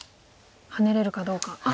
ハネれるかどうか。